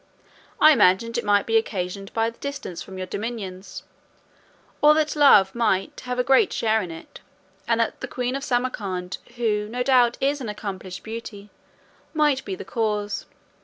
I imagined it might be occasioned by your distance from your dominions, or that love might have a great share in it; and that the queen of Samarcand, who, no doubt, is an accomplished beauty, might be the cause.